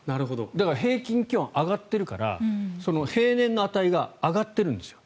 平年気温上がっているから平年の値が上がってるんですよ。